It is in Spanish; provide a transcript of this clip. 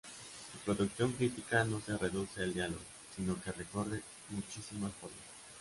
Su producción crítica no se reduce al diálogo, sino que recorre muchísimas formas.